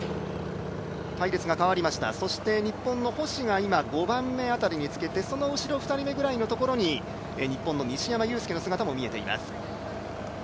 隊列が変わりました日本の星が５番目辺りにつけてその後ろ、２人目ぐらいのところに日本の西山雄介の姿も見えています。